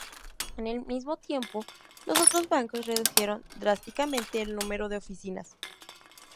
En el mimo tiempo, los otros bancos redujeron drásticamente el número de oficinas.